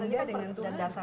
ya biasanya kan per